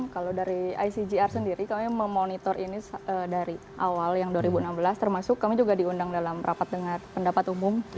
kalau dari icgr sendiri kami memonitor ini dari awal yang dua ribu enam belas termasuk kami juga diundang dalam rapat pendapat umum